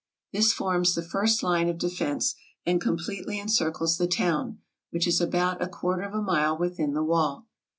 This forms the first line of de fense, and completely encircles the town, which is about a quarter of a mile within the wall.